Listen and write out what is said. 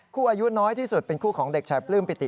อายุน้อยที่สุดเป็นคู่ของเด็กชายปลื้มปิติ